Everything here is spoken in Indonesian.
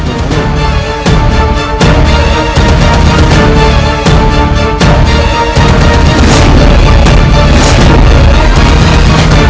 kalau begitu aku mohon panggil